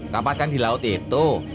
kapas kan di laut itu